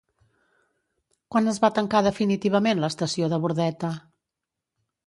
Quan es va tancar definitivament l'estació de Bordeta?